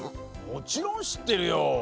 もちろんしってるよ。